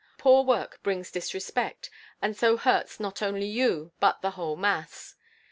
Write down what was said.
Poor work brings disrespect and so hurts not only you but the whole mass.